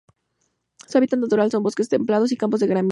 Su hábitat natural son: Bosques templados y campos de gramíneas.